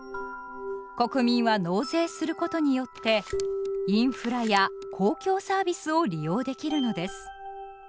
国民は納税することによって「インフラ」や「公共サービス」を利用できるのです。